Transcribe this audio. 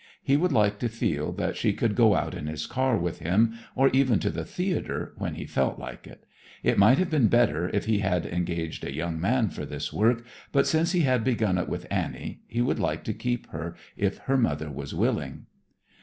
He would like to feel that she could go out in his car with him, or even to the theater, when he felt like it. It might have been better if he had engaged a young man for this work, but since he had begun it with Annie, he would like to keep her if her mother was willing.